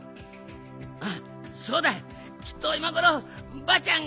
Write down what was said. うんそうだきっといまごろばあちゃん